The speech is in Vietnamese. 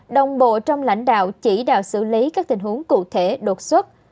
đồng bộ trong lãnh đạo chỉ đạo xử lý các tình huống cụ thể đột xuất